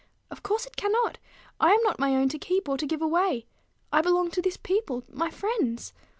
Of course it cannot. I am not my own to keep or to give away. I belong to this people, my friends.